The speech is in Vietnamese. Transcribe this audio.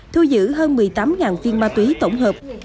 thu giữ hơn một mươi tám viên ma túy tổng hợp